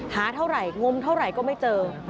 หาเท่าไหร่งมเท่าไหร่ก็ไม่เจอ